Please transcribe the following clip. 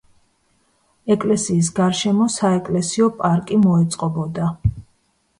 ეკლესიის გარშემო საეკლესიო პარკი მოეწყობოდა.